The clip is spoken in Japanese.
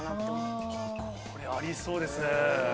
これありそうですね。